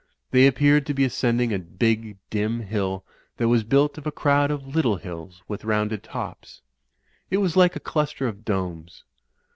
They appeared to be ascend ing a big, dim hill that was built of a crowd of little hills with rounded tops ; it was like a cluster of domes.